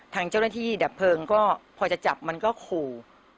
ทางเจ้าหน้าที่ดับเพลิงก็พอจะจับมันก็ขู่